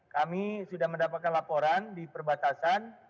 kami sudah mendapatkan laporan di perbatasan